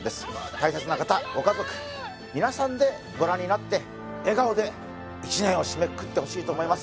大切な方ご家族皆さんでご覧になって笑顔で一年を締めくくってほしいと思います